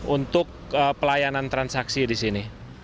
untuk pelayanan transaksi